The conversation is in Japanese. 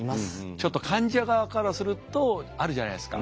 ちょっと患者側からするとあるじゃないですか。